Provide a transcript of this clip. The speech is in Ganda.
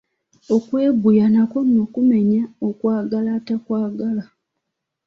Okweguya nakwo nno kumenya okwagala atakwagala.